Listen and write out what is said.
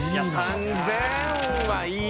３０００円はいく。